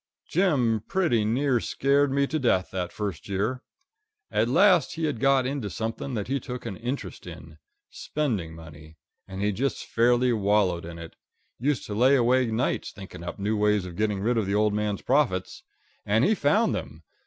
Jim pretty nearly scared me to death that first year. At last he had got into something that he took an interest in spending money and he just fairly wallowed in it. Used to lay awake nights, thinking up new ways of getting rid of the old man's profits. And he found them.